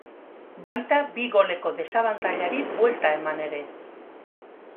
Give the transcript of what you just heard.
Baita bi goleko desabantailari buelta eman ere.